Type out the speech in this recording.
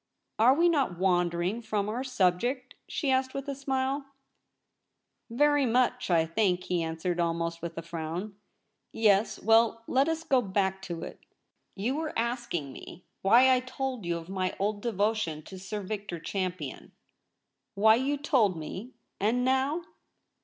' Are we not wandering from our subject ?' she asked with a smile. 240 THE REBEL ROSE. ' Very much, I think,' he answered, almost with a frown. ' Yes — well, let us go back to it. You were asking me why I told you of my old devotion to Sir Victor Champion ?'* Why you told me — and now